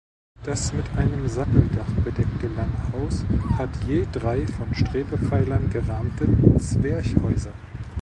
Das mit einem Satteldach bedeckte Langhaus hat je drei von Strebepfeilern gerahmte Zwerchhäuser.